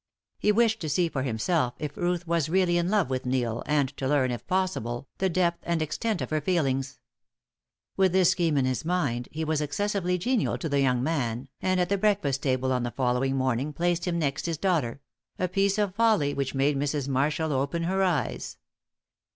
He wished to see for himself if Ruth was really in love with Neil, and to learn, if possible, the depth and extent of her feelings. With this scheme in his mind, he was excessively genial to the young man, and at the breakfast table on the following morning placed him next his daughter a piece of folly which made Mrs. Marshall open her eyes.